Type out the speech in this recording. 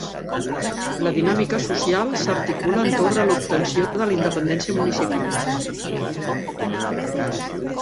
La dinàmica social s'articula entorn de l'obtenció de la independència municipal.